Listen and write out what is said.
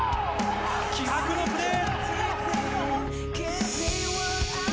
気迫のプレー！